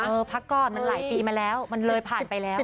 พักก่อนมันหลายปีมาแล้วมันเลยผ่านไปแล้ว